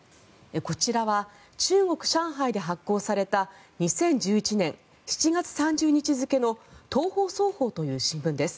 こちらは中国・上海で発行された２０１１年７月３１日付の東方早報という新聞です。